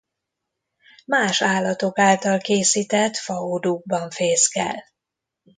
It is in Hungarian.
Más állatok által készített faodúkban fészkel.